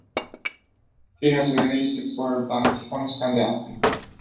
He has released four albums on Stand Up!